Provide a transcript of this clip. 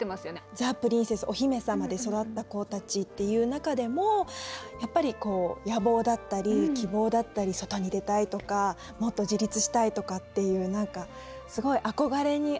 ザ・プリンセスお姫様で育った子たちっていう中でもやっぱり野望だったり希望だったり外に出たいとかもっと自立したいとかっていうなんかすごい憧れにあふれている。